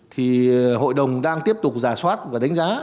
thì hội đồng đang tiếp tục giả soát và đánh giá